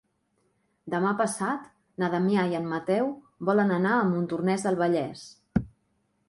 Demà passat na Damià i en Mateu volen anar a Montornès del Vallès.